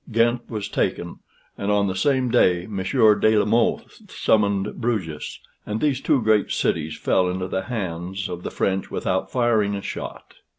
Ghent was taken, and on the same day Monsieur de la Mothe summoned Bruges; and these two great cities fell into the hands of the French without firing a shot.